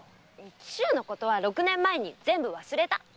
紀州のことは六年前に全部忘れた！